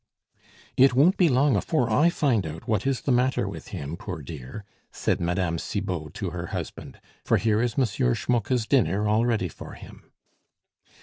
"It won't be long afore I find out what is the matter with him, poor dear," said Mme. Cibot to her husband, "for here is M. Schmucke's dinner all ready for him."